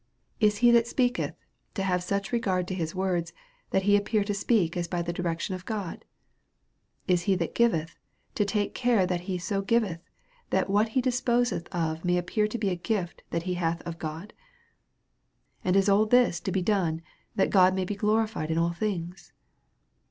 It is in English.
Is he that speaketh, to have such re gard to his words, that he appear to speak as by the direction of God? Is he that giveth, to take care that he so giveth, that what he disposeth of may appear to be a gift that he hath of God? And is all this to be done, that God may be glorified in all things?